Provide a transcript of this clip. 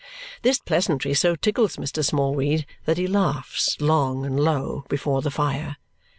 This pleasantry so tickles Mr. Smallweed that he laughs, long and low, before the fire.